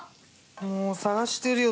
もう探してるよ